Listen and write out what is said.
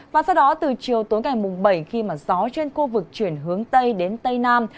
và sau đó từ chiều tối ngày bảy khi gió trên khu vực chuyển hướng tây đến tây nam